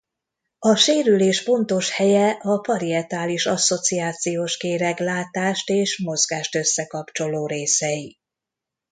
A sérülés pontos helye a parietális asszociációs kéreg látást és mozgást összekapcsoló részei.